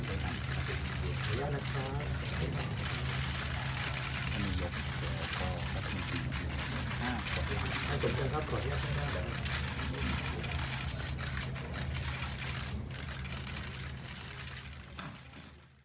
โปรดติดตามตอนต่อไป